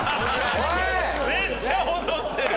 めっちゃ踊ってる。